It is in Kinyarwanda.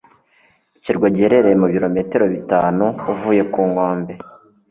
ikirwa giherereye mu birometero bitanu uvuye ku nkombe